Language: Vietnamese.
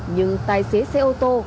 nhưng tài xế xe ô tô